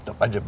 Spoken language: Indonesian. tetep aja beda